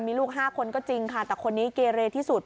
มีลูก๕คนก็จริงค่ะแต่คนนี้เกเรที่สุด